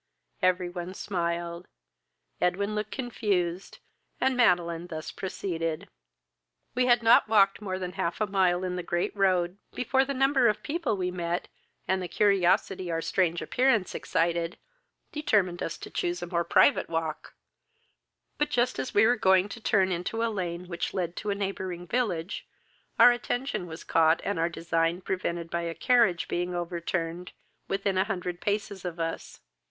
Every one smiled, Edwin looked confused, and Madeline thus proceeded. "We had not walked more than half a mile in the great road, before the number of people we met, and the curiosity our strange appearance excited, determined us to choose a more private walk; but, just as we were going to turn into a lane which led to a neighbouring village, our attention was caught, and our design prevented by a carriage being overturned within a hundred paces of us.